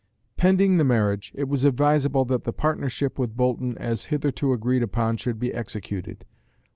Pending the marriage, it was advisable that the partnership with Boulton as hitherto agreed upon should be executed.